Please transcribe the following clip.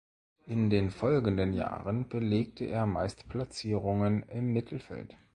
In den folgenden Jahren belegte er meist Platzierungen im Mittelfeld.